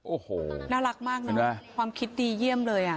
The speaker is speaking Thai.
โอ้โหน่ารักมากเลยนะความคิดดีเยี่ยมเลยอ่ะ